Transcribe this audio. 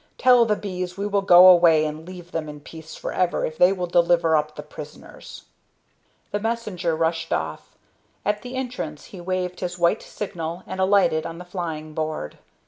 Tell the bees we will go away and leave them in peace forever if they will deliver up the prisoners." The messenger rushed off. At the entrance he waved his white signal and alighted on the flying board.